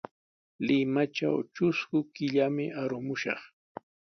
Limatraw trusku killami arumushaq.